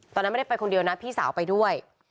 ตอนนั้นไม่ได้ไปคนเดียวนะพี่สาวไปด้วย